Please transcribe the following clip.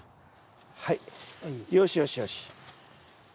はいよしよしよし。